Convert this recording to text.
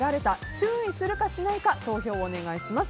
注意するかしないか投票をお願いします。